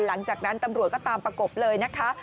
หลังจากนั้นตำรวจก็ตามประกบเลยนะคะ